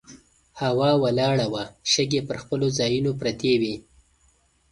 هوا ولاړه وه، شګې پر خپلو ځایونو پرتې وې.